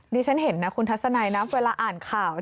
ฉันเห็นนะคุณทัศนัยนะเวลาอ่านข่าว